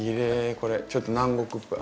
これちょっと南国っぽい。